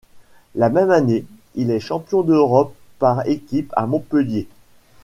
La même année, il est champion d'Europe par équipes à Montpellier.